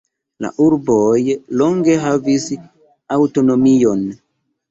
La urboj longe havis aŭtonomion.